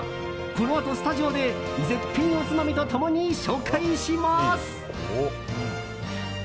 このあと、スタジオで絶品おつまみと共に紹介します！